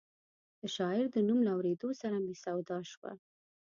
د شاعر د نوم له اورېدو سره مې سودا شوه.